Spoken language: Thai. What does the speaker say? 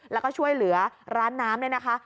แล้วก็ช่วยเหลือร้านน้ำเนี่ยนะคะ